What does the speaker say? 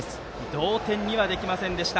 同点にはできませんでした。